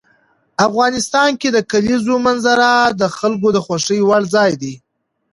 افغانستان کې د کلیزو منظره د خلکو د خوښې وړ ځای دی.